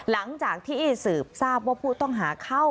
หลังจากที่สืบทราบว่าผู้ต้องหาเข้า